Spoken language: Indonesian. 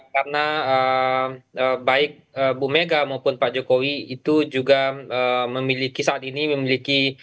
karena baik ibu mega maupun pak jokowi itu juga memiliki saat ini memiliki